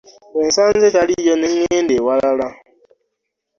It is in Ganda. Bwe nsanze taliiyo ne ŋŋenda awalala.